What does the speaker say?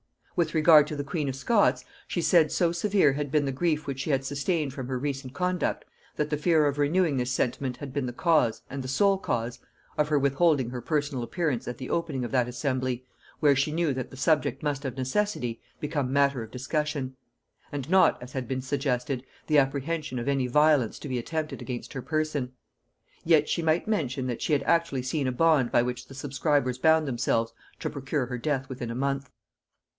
With regard to the queen of Scots, she said, so severe had been the grief which she had sustained from her recent conduct, that the fear of renewing this sentiment had been the cause, and the sole cause, of her withholding her personal appearance at the opening of that assembly, where she knew that the subject must of necessity become matter of discussion; and not, as had been suggested, the apprehension of any violence to be attempted against her person; yet she might mention, that she had actually seen a bond by which the subscribers bound themselves to procure her death within a month.